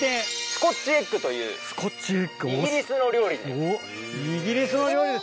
スコッチエッグというイギリスの料理に。